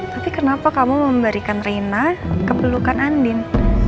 tapi kenapa kamu memberikan reina keperlukan andin